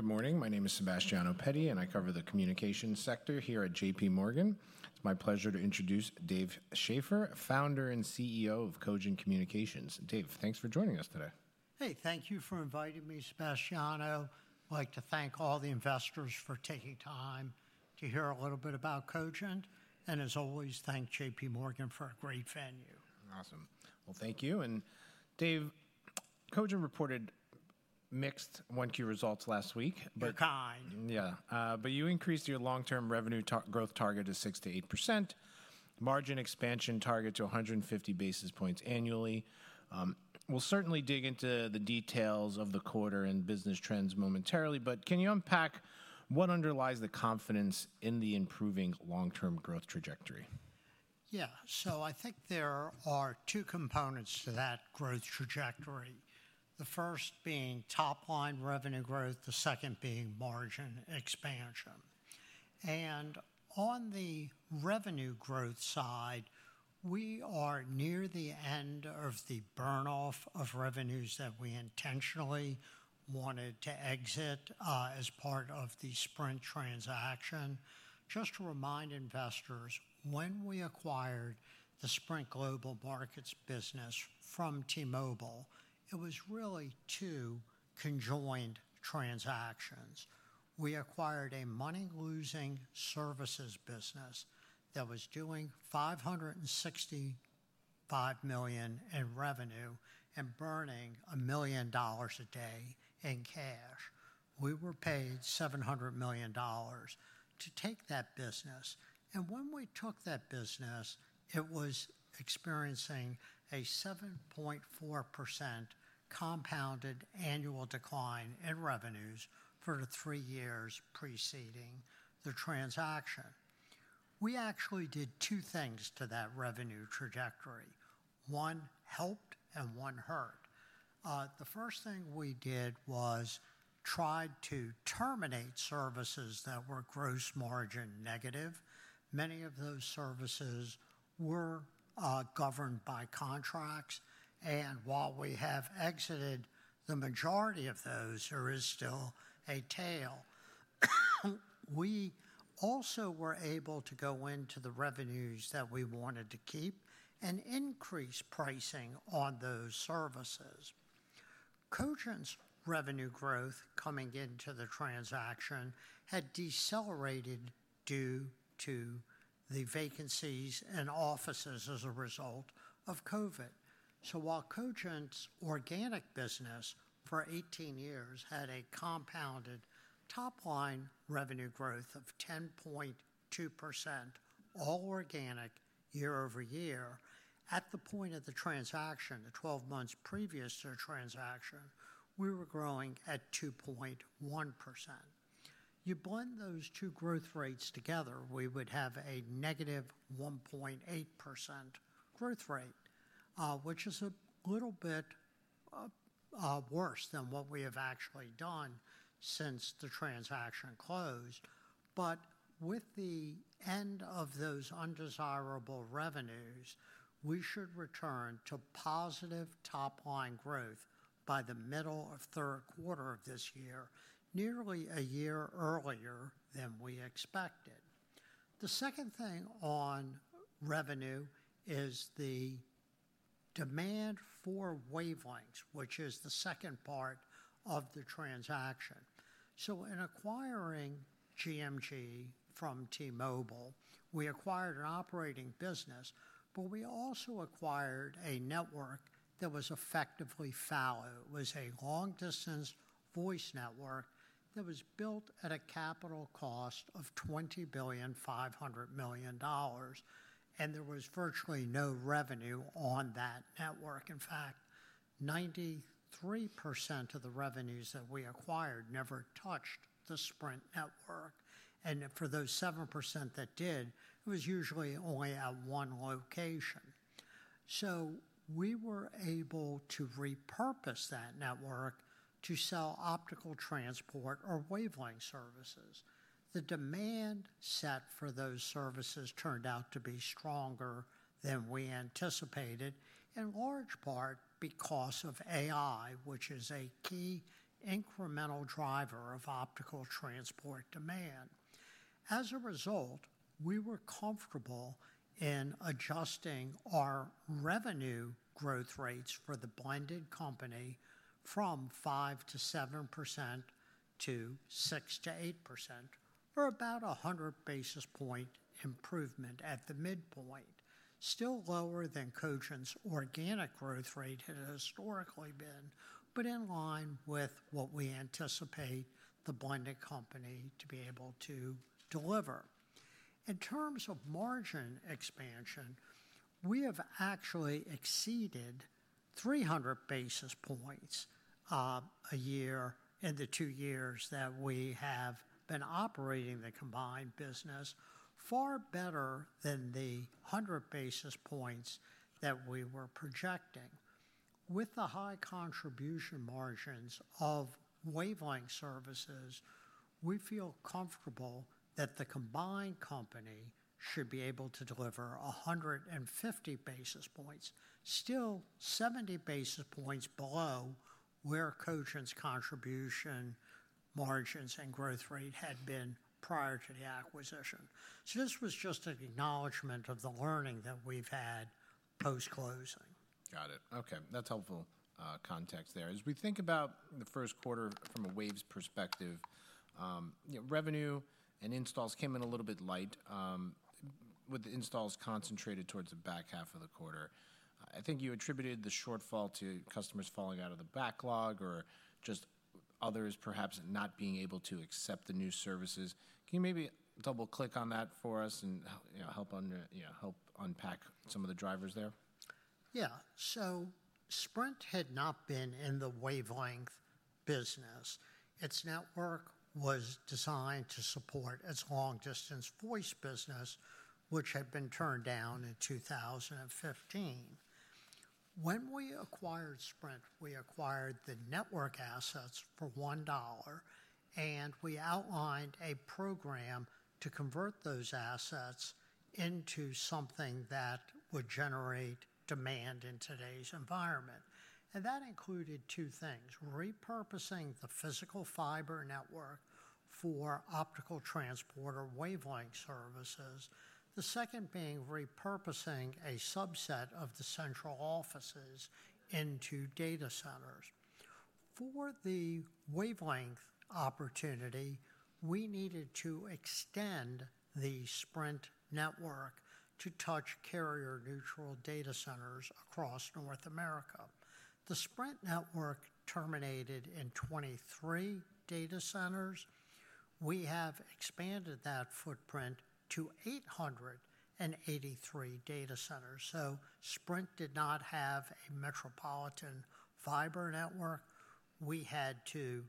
Good morning. My name is Sebastiano Petti, and I cover the communications sector here at J.P. Morgan. It's my pleasure to introduce Dave Schaeffer, founder and CEO of Cogent Communications. Dave, thanks for joining us today. Hey, thank you for inviting me, Sebastiano. I'd like to thank all the investors for taking time to hear a little bit about Cogent, and as always, thank J.P. Morgan for a great venue. Awesome. Thank you. Dave, Cogent reported mixed one-key results last week, but. You're kind. Yeah. But you increased your long-term revenue growth target to 6-8%, margin expansion target to 150 basis points annually. We'll certainly dig into the details of the quarter and business trends momentarily, but can you unpack what underlies the confidence in the improving long-term growth trajectory? Yeah. I think there are two components to that growth trajectory, the first being top-line revenue growth, the second being margin expansion. On the revenue growth side, we are near the end of the burn-off of revenues that we intentionally wanted to exit as part of the Sprint transaction. Just to remind investors, when we acquired the Sprint Global Markets business from T-Mobile, it was really two conjoined transactions. We acquired a money-losing services business that was doing $565 million in revenue and burning $1 million a day in cash. We were paid $700 million to take that business. When we took that business, it was experiencing a 7.4% compounded annual decline in revenues for the three years preceding the transaction. We actually did two things to that revenue trajectory. One helped and one hurt. The first thing we did was tried to terminate services that were gross margin negative. Many of those services were governed by contracts. While we have exited the majority of those, there is still a tail. We also were able to go into the revenues that we wanted to keep and increase pricing on those services. Cogent's revenue growth coming into the transaction had decelerated due to the vacancies in offices as a result of COVID. While Cogent's organic business for 18 years had a compounded top-line revenue growth of 10.2%, all organic year-over-year, at the point of the transaction, the 12 months previous to the transaction, we were growing at 2.1%. You blend those two growth rates together, we would have a negative 1.8% growth rate, which is a little bit worse than what we have actually done since the transaction closed. With the end of those undesirable revenues, we should return to positive top-line growth by the middle of the third quarter of this year, nearly a year earlier than we expected. The second thing on revenue is the demand for wavelengths, which is the second part of the transaction. In acquiring GMG from T-Mobile, we acquired an operating business, but we also acquired a network that was effectively fallow. It was a long-distance voice network that was built at a capital cost of $20,500,000,000, and there was virtually no revenue on that network. In fact, 93% of the revenues that we acquired never touched the Sprint network. For those 7% that did, it was usually only at one location. We were able to repurpose that network to sell optical transport or wavelength services. The demand set for those services turned out to be stronger than we anticipated, in large part because of AI, which is a key incremental driver of optical transport demand. As a result, we were comfortable in adjusting our revenue growth rates for the blended company from 5-7% to 6-8%, or about a 100 basis point improvement at the midpoint, still lower than Cogent's organic growth rate had historically been, but in line with what we anticipate the blended company to be able to deliver. In terms of margin expansion, we have actually exceeded 300 basis points a year in the two years that we have been operating the combined business, far better than the 100 basis points that we were projecting. With the high contribution margins of wavelength services, we feel comfortable that the combined company should be able to deliver 150 basis points, still 70 basis points below where Cogent's contribution margins and growth rate had been prior to the acquisition. This was just an acknowledgment of the learning that we've had post-closing. Got it. Okay. That's helpful context there. As we think about the first quarter from a Wave's perspective, revenue and installs came in a little bit light, with the installs concentrated towards the back half of the quarter. I think you attributed the shortfall to customers falling out of the backlog or just others perhaps not being able to accept the new services. Can you maybe double-click on that for us and help unpack some of the drivers there? Yeah. Sprint had not been in the wavelength business. Its network was designed to support its long-distance voice business, which had been turned down in 2015. When we acquired Sprint, we acquired the network assets for $1, and we outlined a program to convert those assets into something that would generate demand in today's environment. That included two things: repurposing the physical fiber network for optical transport or wavelength services, the second being repurposing a subset of the central offices into data centers. For the wavelength opportunity, we needed to extend the Sprint network to touch carrier-neutral data centers across North America. The Sprint network terminated in 23 data centers. We have expanded that footprint to 883 data centers. Sprint did not have a metropolitan fiber network. We had to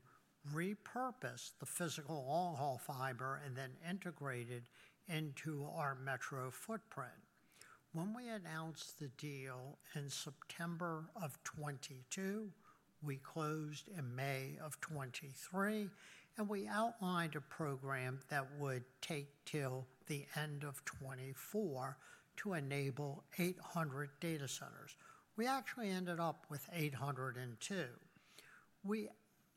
repurpose the physical long-haul fiber and then integrate it into our metro footprint. When we announced the deal in September of 2022, we closed in May of 2023, and we outlined a program that would take till the end of 2024 to enable 800 data centers. We actually ended up with 802. We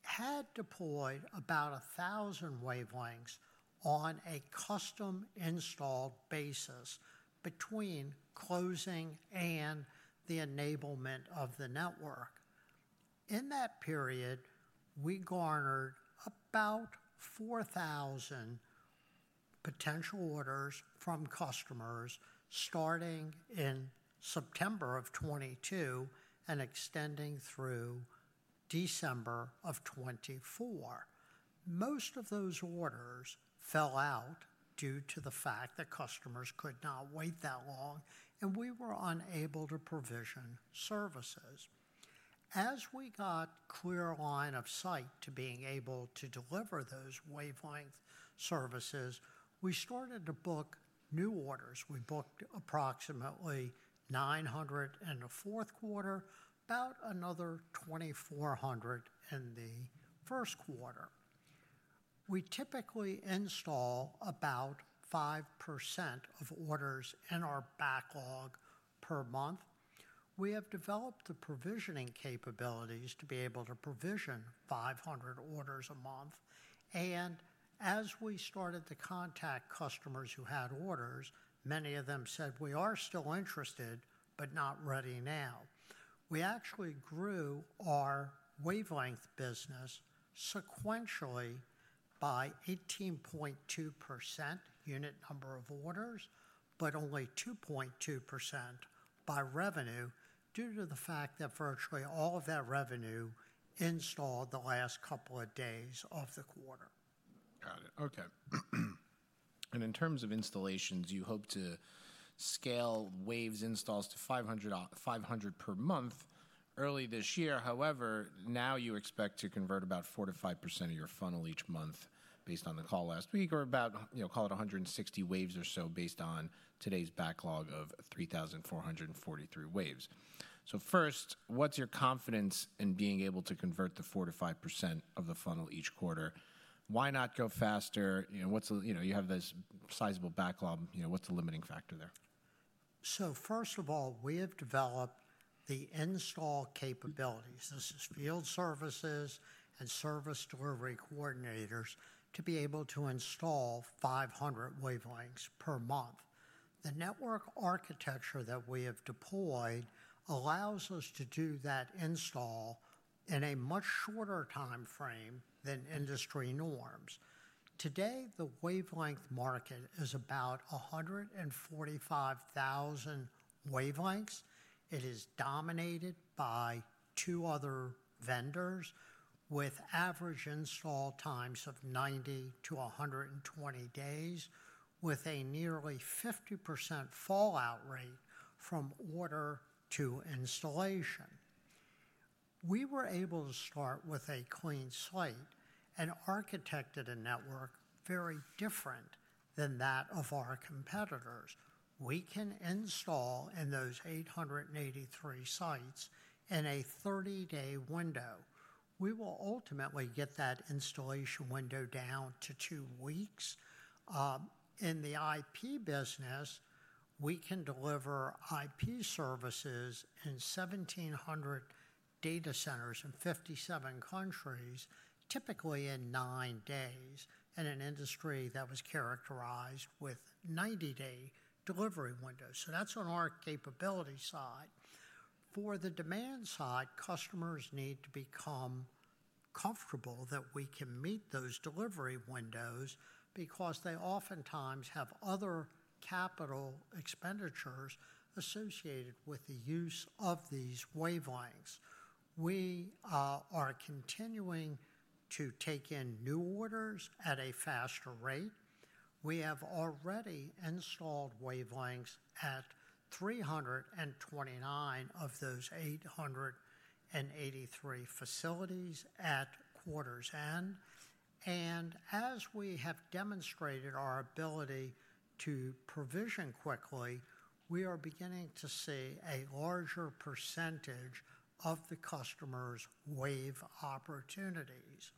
had deployed about 1,000 wavelengths on a custom-installed basis between closing and the enablement of the network. In that period, we garnered about 4,000 potential orders from customers starting in September of 2022 and extending through December of 2024. Most of those orders fell out due to the fact that customers could not wait that long, and we were unable to provision services. As we got clear line of sight to being able to deliver those wavelength services, we started to book new orders. We booked approximately 900 in the fourth quarter, about another 2,400 in the first quarter. We typically install about 5% of orders in our backlog per month. We have developed the provisioning capabilities to be able to provision 500 orders a month. As we started to contact customers who had orders, many of them said, "We are still interested, but not ready now." We actually grew our wavelength business sequentially by 18.2% unit number of orders, but only 2.2% by revenue due to the fact that virtually all of that revenue installed the last couple of days of the quarter. Got it. Okay. In terms of installations, you hope to scale Wave's installs to 500 per month early this year. However, now you expect to convert about 4-5% of your funnel each month based on the call last week, or about, call it 160 Waves or so based on today's backlog of 3,443 Waves. First, what's your confidence in being able to convert the 4-5% of the funnel each quarter? Why not go faster? You have this sizable backlog. What's the limiting factor there? First of all, we have developed the install capabilities. This is field services and service delivery coordinators to be able to install 500 wavelengths per month. The network architecture that we have deployed allows us to do that install in a much shorter timeframe than industry norms. Today, the wavelength market is about 145,000 wavelengths. It is dominated by two other vendors with average install times of 90-120 days, with a nearly 50% fallout rate from order to installation. We were able to start with a clean site and architected a network very different than that of our competitors. We can install in those 883 sites in a 30-day window. We will ultimately get that installation window down to two weeks. In the IP business, we can deliver IP services in 1,700 data centers in 57 countries, typically in nine days in an industry that was characterized with a 90-day delivery window. That is on our capability side. For the demand side, customers need to become comfortable that we can meet those delivery windows because they oftentimes have other capital expenditures associated with the use of these wavelengths. We are continuing to take in new orders at a faster rate. We have already installed wavelengths at 329 of those 883 facilities at quarter's end. As we have demonstrated our ability to provision quickly, we are beginning to see a larger percentage of the customers' Wave opportunities.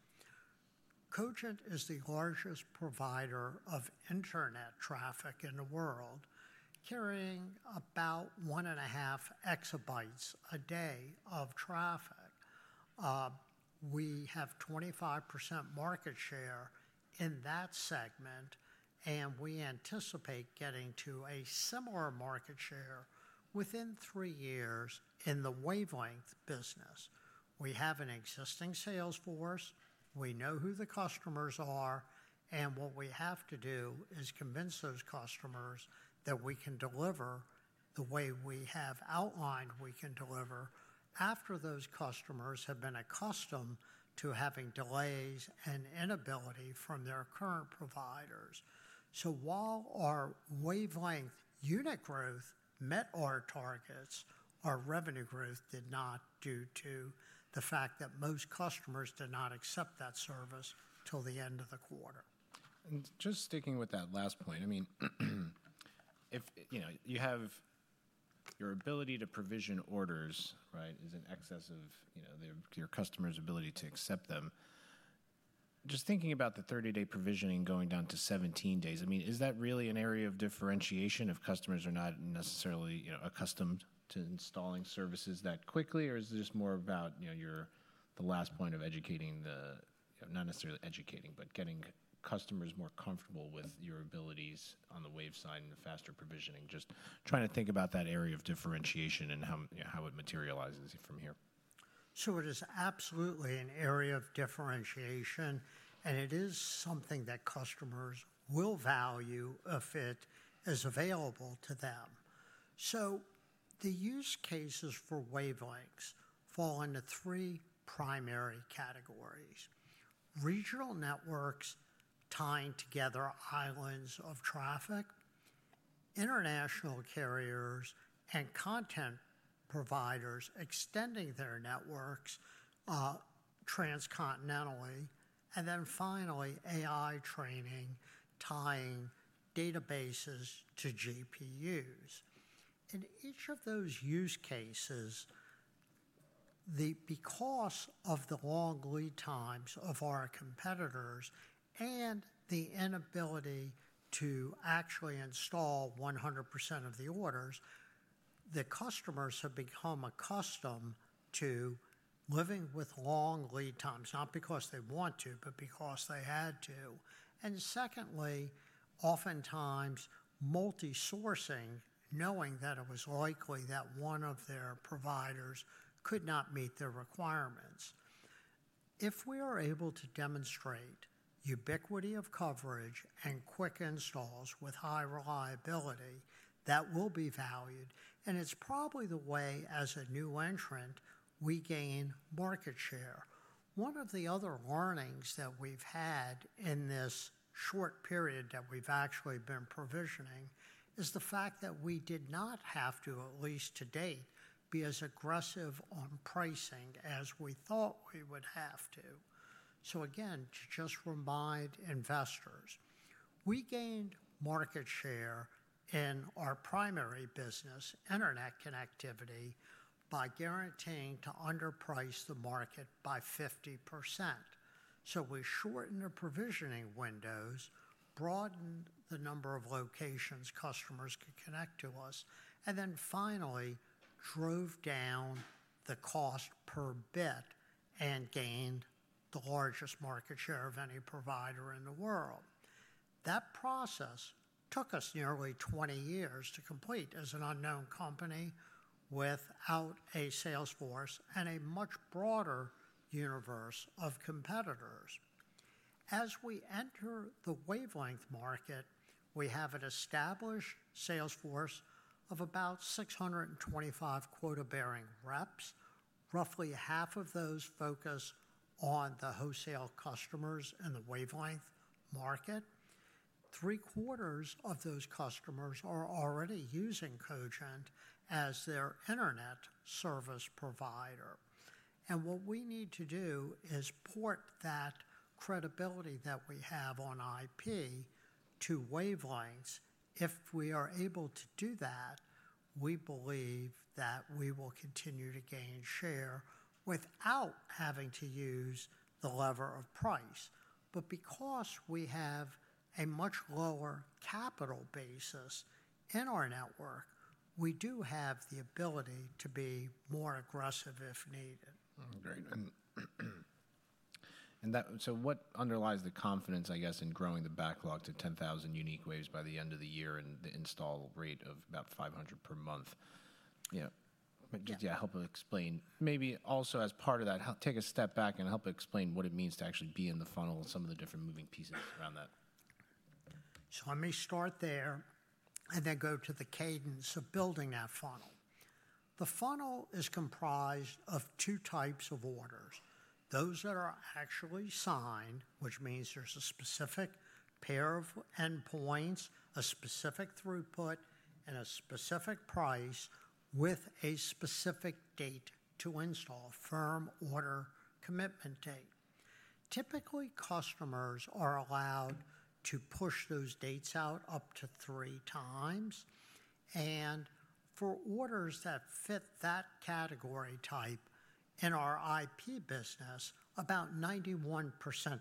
Cogent is the largest provider of internet traffic in the world, carrying about one and a half exabytes a day of traffic. We have 25% market share in that segment, and we anticipate getting to a similar market share within three years in the wavelength business. We have an existing sales force. We know who the customers are, and what we have to do is convince those customers that we can deliver the way we have outlined we can deliver after those customers have been accustomed to having delays and inability from their current providers. While our wavelength unit growth met our targets, our revenue growth did not due to the fact that most customers did not accept that service till the end of the quarter. Just sticking with that last point, I mean, you have your ability to provision orders, right, is in excess of your customers' ability to accept them. Just thinking about the 30-day provisioning going down to 17 days, I mean, is that really an area of differentiation if customers are not necessarily accustomed to installing services that quickly, or is it just more about the last point of educating the, not necessarily educating, but getting customers more comfortable with your abilities on the Wave side and the faster provisioning, just trying to think about that area of differentiation and how it materializes from here? It is absolutely an area of differentiation, and it is something that customers will value if it is available to them. The use cases for wavelengths fall into three primary categories: regional networks tying together islands of traffic, international carriers and content providers extending their networks transcontinentally, and then finally AI training tying databases to GPUs. In each of those use cases, because of the long lead times of our competitors and the inability to actually install 100% of the orders, the customers have become accustomed to living with long lead times, not because they want to, but because they had to. Secondly, oftentimes multi-sourcing, knowing that it was likely that one of their providers could not meet their requirements. If we are able to demonstrate ubiquity of coverage and quick installs with high reliability, that will be valued. It is probably the way as a new entrant we gain market share. One of the other learnings that we have had in this short period that we have actually been provisioning is the fact that we did not have to, at least to date, be as aggressive on pricing as we thought we would have to. To just remind investors, we gained market share in our primary business, internet connectivity, by guaranteeing to underprice the market by 50%. We shortened the provisioning windows, broadened the number of locations customers could connect to us, and then finally drove down the cost per bit and gained the largest market share of any provider in the world. That process took us nearly 20 years to complete as an unknown company without a sales force and a much broader universe of competitors. As we enter the wavelength market, we have an established sales force of about 625 quota-bearing reps. Roughly half of those focus on the wholesale customers in the wavelength market. Three quarters of those customers are already using Cogent as their internet service provider. What we need to do is port that credibility that we have on IP to wavelengths. If we are able to do that, we believe that we will continue to gain share without having to use the lever of price. Because we have a much lower capital basis in our network, we do have the ability to be more aggressive if needed. Great. What underlies the confidence, I guess, in growing the backlog to 10,000 unique Waves by the end of the year and the install rate of about 500 per month? Yeah, help explain. Maybe also as part of that, take a step back and help explain what it means to actually be in the funnel and some of the different moving pieces around that. Let me start there and then go to the cadence of building that funnel. The funnel is comprised of two types of orders: those that are actually signed, which means there's a specific pair of endpoints, a specific throughput, and a specific price with a specific date to install, firm order commitment date. Typically, customers are allowed to push those dates out up to three times. For orders that fit that category type in our IP business, about 91%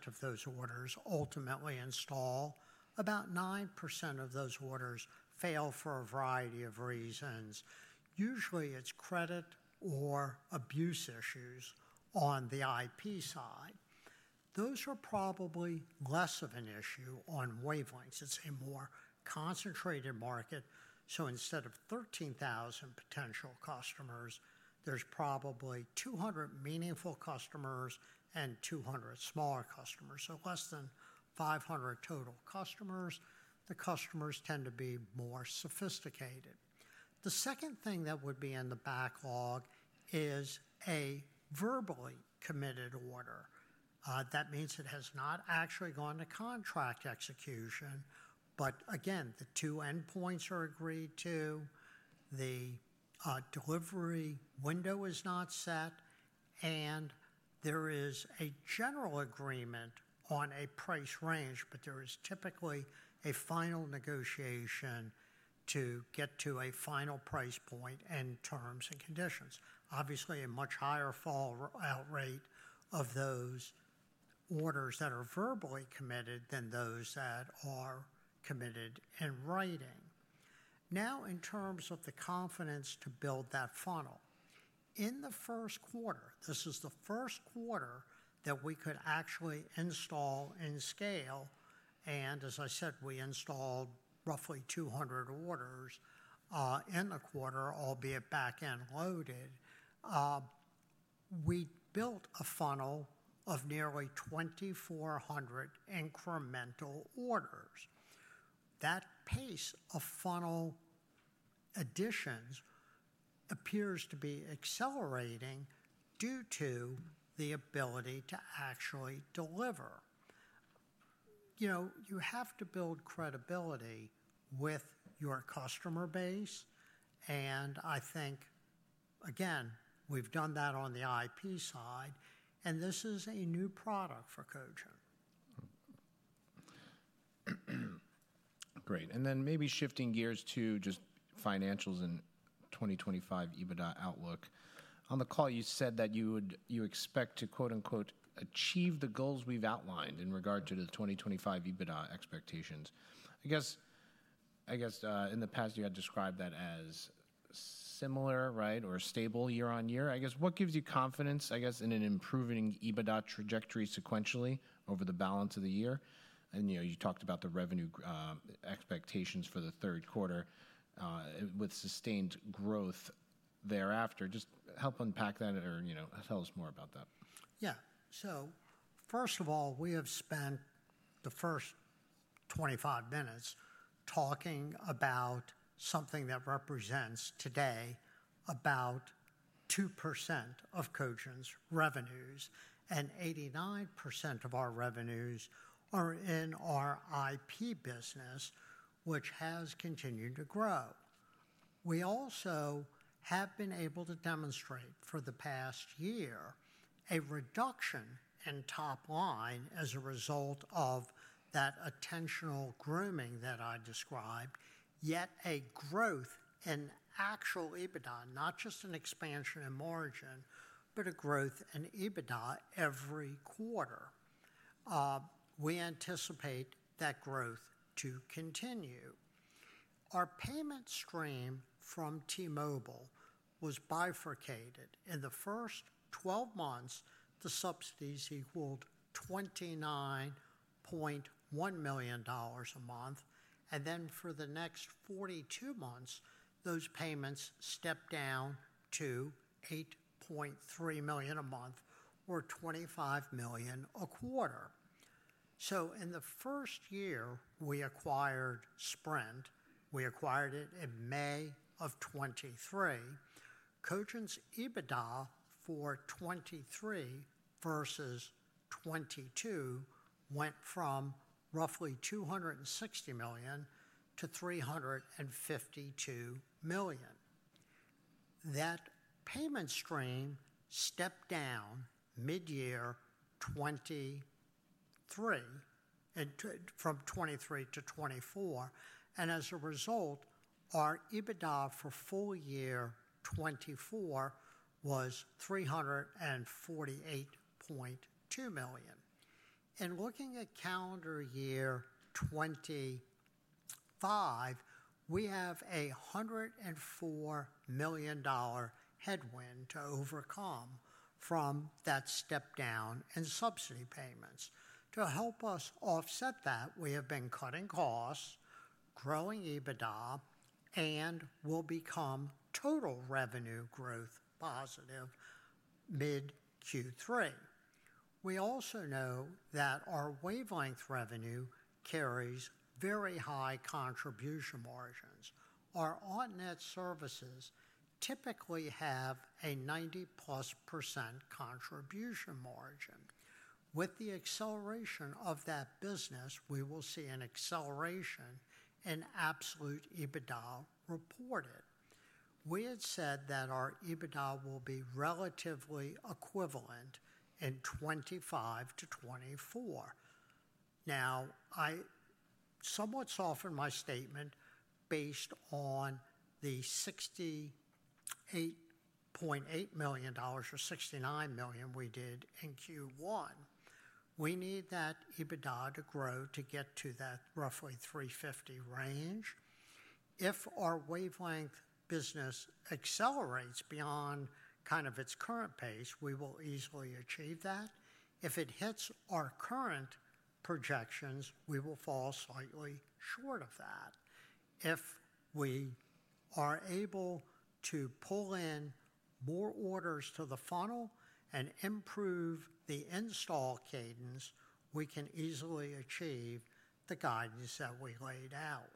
of those orders ultimately install. About 9% of those orders fail for a variety of reasons. Usually, it's credit or abuse issues on the IP side. Those are probably less of an issue on wavelengths. It's a more concentrated market. Instead of 13,000 potential customers, there's probably 200 meaningful customers and 200 smaller customers. Less than 500 total customers. The customers tend to be more sophisticated. The second thing that would be in the backlog is a verbally committed order. That means it has not actually gone to contract execution, but again, the two endpoints are agreed to, the delivery window is not set, and there is a general agreement on a price range, but there is typically a final negotiation to get to a final price point and terms and conditions. Obviously, a much higher fallout rate of those orders that are verbally committed than those that are committed in writing. Now, in terms of the confidence to build that funnel, in the first quarter, this is the first quarter that we could actually install and scale. As I said, we installed roughly 200 orders in the quarter, albeit back-end loaded. We built a funnel of nearly 2,400 incremental orders. That pace of funnel additions appears to be accelerating due to the ability to actually deliver. You have to build credibility with your customer base. I think, again, we've done that on the IP side, and this is a new product for Cogent. Great. Maybe shifting gears to just financials and 2025 EBITDA outlook. On the call, you said that you expect to "achieve the goals we've outlined" in regard to the 2025 EBITDA expectations. I guess in the past, you had described that as similar, right, or stable year on year. I guess what gives you confidence, I guess, in an improving EBITDA trajectory sequentially over the balance of the year? You talked about the revenue expectations for the third quarter with sustained growth thereafter. Just help unpack that or tell us more about that. Yeah. First of all, we have spent the first 25 minutes talking about something that represents today about 2% of Cogent's revenues, and 89% of our revenues are in our IP business, which has continued to grow. We also have been able to demonstrate for the past year a reduction in top line as a result of that attentional grooming that I described, yet a growth in actual EBITDA, not just an expansion in margin, but a growth in EBITDA every quarter. We anticipate that growth to continue. Our payment stream from T-Mobile was bifurcated. In the first 12 months, the subsidies equaled $29.1 million a month, and then for the next 42 months, those payments stepped down to $8.3 million a month or $25 million a quarter. In the first year we acquired Sprint, we acquired it in May of 2023, Cogent's EBITDA for 2023 versus 2022 went from roughly $260 million to $352 million. That payment stream stepped down mid-year 2023, from 2023 to 2024. As a result, our EBITDA for full year 2024 was $348.2 million. Looking at calendar year 2025, we have a $104 million headwind to overcome from that step down in subsidy payments. To help us offset that, we have been cutting costs, growing EBITDA, and will become total revenue growth positive mid-Q3. We also know that our wavelength revenue carries very high contribution margins. Our on-net services typically have a 90%+ contribution margin. With the acceleration of that business, we will see an acceleration in absolute EBITDA reported. We had said that our EBITDA will be relatively equivalent in 2025 to 2024. Now, I somewhat soften my statement based on the $68.8 million or $69 million we did in Q1. We need that EBITDA to grow to get to that roughly $350 million range. If our wavelength business accelerates beyond kind of its current pace, we will easily achieve that. If it hits our current projections, we will fall slightly short of that. If we are able to pull in more orders to the funnel and improve the install cadence, we can easily achieve the guidance that we laid out.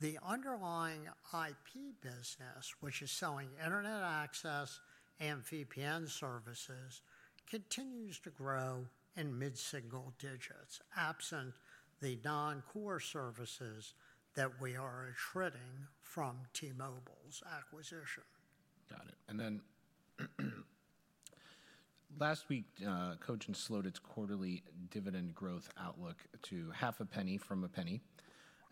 The underlying IP business, which is selling internet access and VPN services, continues to grow in mid-single digits, absent the non-core services that we are attriting from T-Mobile's acquisition. Got it. Last week, Cogent slowed its quarterly dividend growth outlook to half a penny from a penny.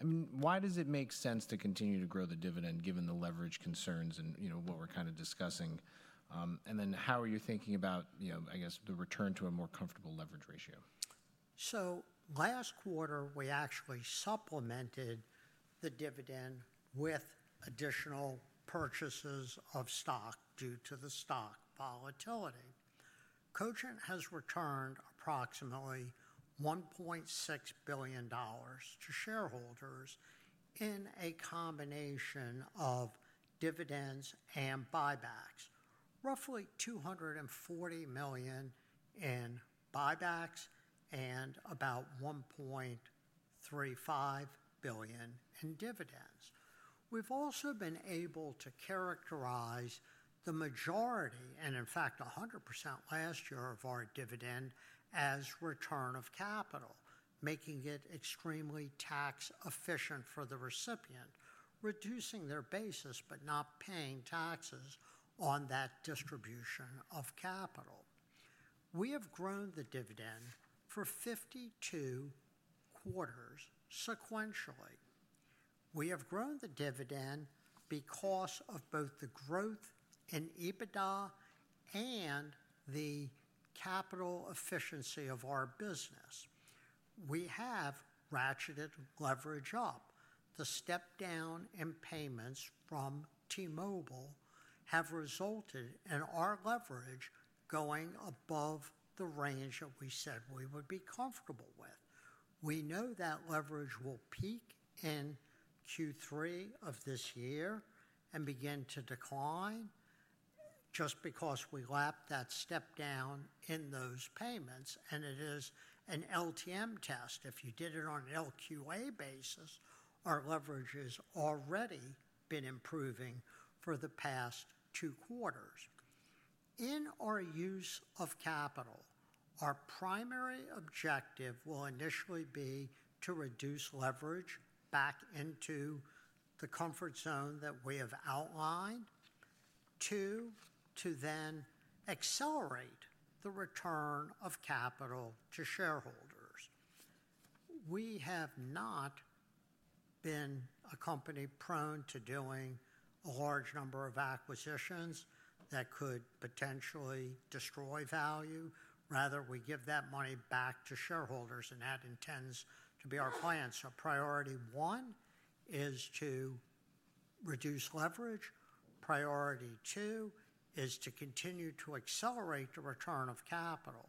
I mean, why does it make sense to continue to grow the dividend given the leverage concerns and what we're kind of discussing? How are you thinking about, I guess, the return to a more comfortable leverage ratio? Last quarter, we actually supplemented the dividend with additional purchases of stock due to the stock volatility. Cogent has returned approximately $1.6 billion to shareholders in a combination of dividends and buybacks, roughly $240 million in buybacks and about $1.35 billion in dividends. We've also been able to characterize the majority, and in fact 100% last year of our dividend as return of capital, making it extremely tax efficient for the recipient, reducing their basis, but not paying taxes on that distribution of capital. We have grown the dividend for 52 quarters sequentially. We have grown the dividend because of both the growth in EBITDA and the capital efficiency of our business. We have ratcheted leverage up. The step down in payments from T-Mobile has resulted in our leverage going above the range that we said we would be comfortable with. We know that leverage will peak in Q3 of this year and begin to decline just because we lapped that step down in those payments. It is an LTM test. If you did it on an LQA basis, our leverage has already been improving for the past two quarters. In our use of capital, our primary objective will initially be to reduce leverage back into the comfort zone that we have outlined, two, to then accelerate the return of capital to shareholders. We have not been a company prone to doing a large number of acquisitions that could potentially destroy value. Rather, we give that money back to shareholders, and that intends to be our plan. Priority one is to reduce leverage. Priority two is to continue to accelerate the return of capital.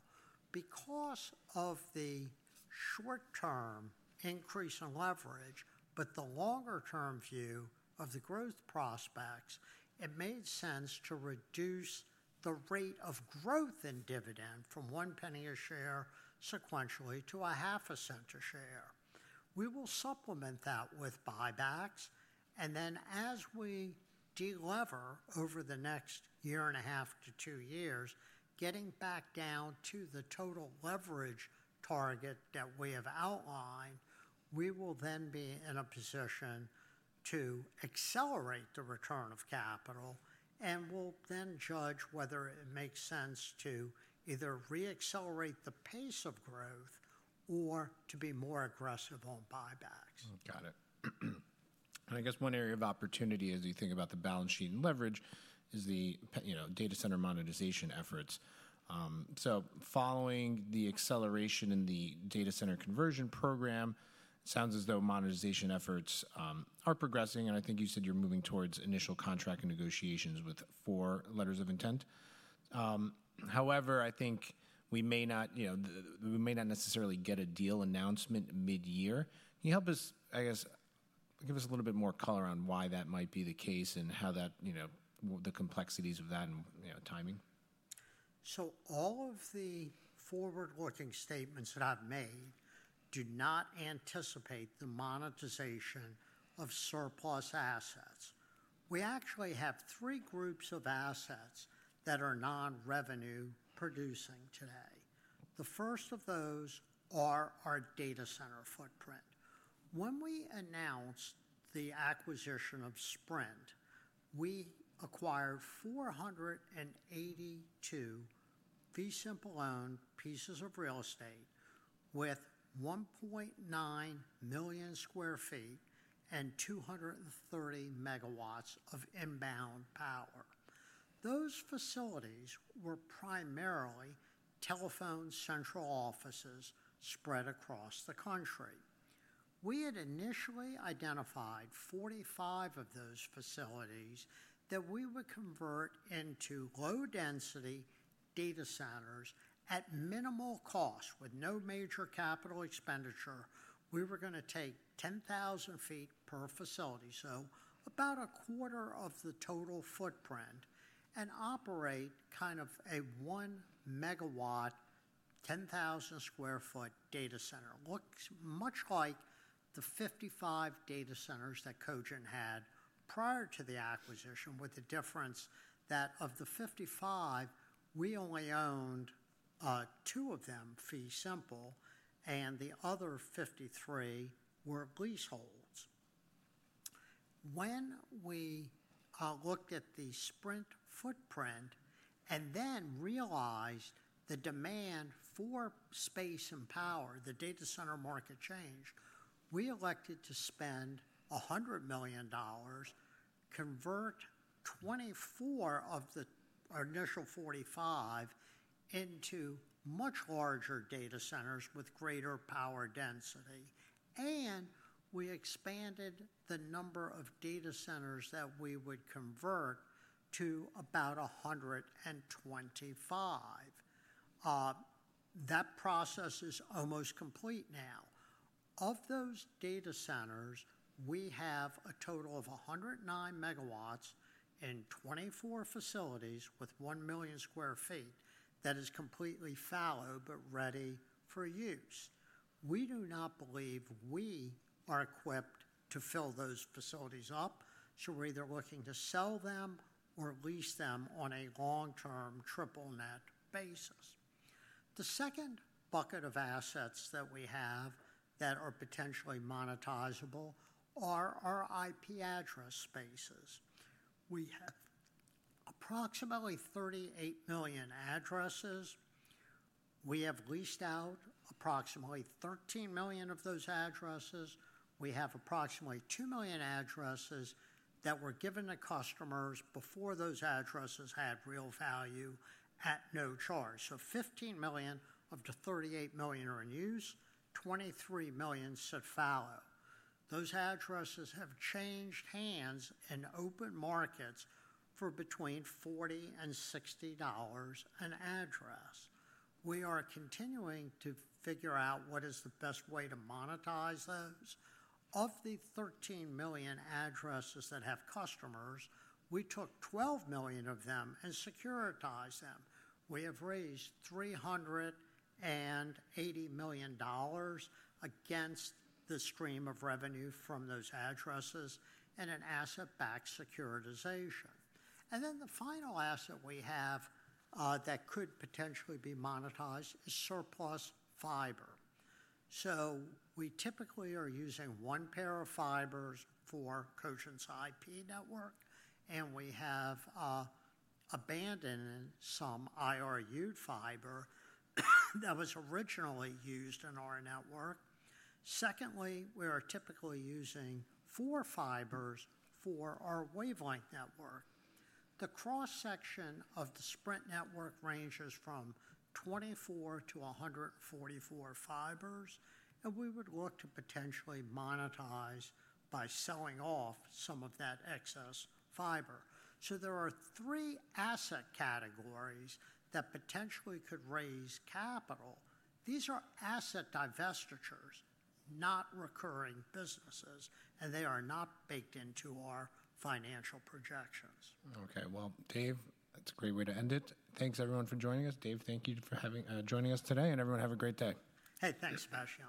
Because of the short-term increase in leverage, but the longer-term view of the growth prospects, it made sense to reduce the rate of growth in dividend from one penny a share sequentially to $0.005 a share. We will supplement that with buybacks. Then as we deliver over the next year and a half to two years, getting back down to the total leverage target that we have outlined, we will then be in a position to accelerate the return of capital, and we'll then judge whether it makes sense to either re-accelerate the pace of growth or to be more aggressive on buybacks. Got it. I guess one area of opportunity as you think about the balance sheet and leverage is the data center monetization efforts. Following the acceleration in the data center conversion program, it sounds as though monetization efforts are progressing. I think you said you're moving towards initial contract negotiations with four letters of intent. However, I think we may not necessarily get a deal announcement mid-year. Can you help us, I guess, give us a little bit more color on why that might be the case and how the complexities of that and timing? All of the forward-looking statements that I've made do not anticipate the monetization of surplus assets. We actually have three groups of assets that are non-revenue producing today. The first of those are our data center footprint. When we announced the acquisition of Sprint, we acquired 482 Sprint-owned pieces of real estate with 1.9 million sq ft and 230 megawatts of inbound power. Those facilities were primarily telephone central offices spread across the country. We had initially identified 45 of those facilities that we would convert into low-density data centers at minimal cost with no major capital expenditure. We were going to take 10,000 sq ft per facility, so about a quarter of the total footprint, and operate kind of a 1-megawatt, 10,000 sq ft data center. Looks much like the 55 data centers that Cogent had prior to the acquisition, with the difference that of the 55, we only owned two of them, V Simple, and the other 53 were leaseholds. When we looked at the Sprint footprint and then realized the demand for space and power, the data center market change, we elected to spend $100 million, convert 24 of the initial 45 into much larger data centers with greater power density. We expanded the number of data centers that we would convert to about 125. That process is almost complete now. Of those data centers, we have a total of 109 megawatts in 24 facilities with 1 million sq ft that is completely fallow but ready for use. We do not believe we are equipped to fill those facilities up. We're either looking to sell them or lease them on a long-term triple net basis. The second bucket of assets that we have that are potentially monetizable are our IP address spaces. We have approximately 38 million addresses. We have leased out approximately 13 million of those addresses. We have approximately 2 million addresses that were given to customers before those addresses had real value at no charge. So 15 million of the 38 million are in use, 23 million sit fallow. Those addresses have changed hands in open markets for between $40 and $60 an address. We are continuing to figure out what is the best way to monetize those. Of the 13 million addresses that have customers, we took 12 million of them and securitized them. We have raised $380 million against the stream of revenue from those addresses and an asset-backed securitization. The final asset we have that could potentially be monetized is surplus fiber. We typically are using one pair of fibers for Cogent's IP network, and we have abandoned some IRU fiber that was originally used in our network. Secondly, we are typically using four fibers for our wavelength network. The cross-section of the Sprint network ranges from 24-144 fibers, and we would look to potentially monetize by selling off some of that excess fiber. There are three asset categories that potentially could raise capital. These are asset divestitures, not recurring businesses, and they are not baked into our financial projections. Okay. Dave, that's a great way to end it. Thanks, everyone, for joining us. Dave, thank you for joining us today, and everyone have a great day. Hey, thanks, Bashar.